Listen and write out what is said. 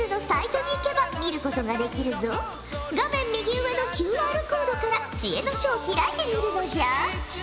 画面右上のＱＲコードから知恵の書を開いてみるのじゃ。